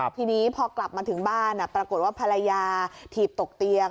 ทีนี้พอกลับมาถึงบ้านปรากฏว่าภรรยาถีบตกเตียง